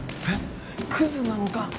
えっクズなのか？